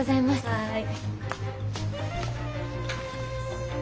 はい。